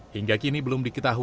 hingga kini belum dikabarkan